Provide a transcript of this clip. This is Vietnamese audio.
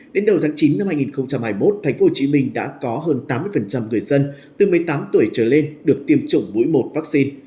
đến đầu tháng chín năm hai nghìn hai mươi một thành phố hồ chí minh đã có hơn tám mươi người dân từ một mươi tám tuổi trở lên được tiêm chủng mũi một vaccine